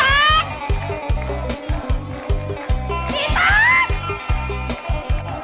โอ้ว